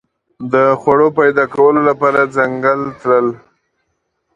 د خوړو پیدا کولو لپاره ځنګل تلل.